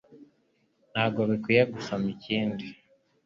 Ntabwo bikwiye gusoma ikindi